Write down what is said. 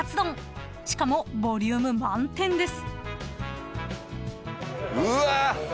［しかもボリューム満点です］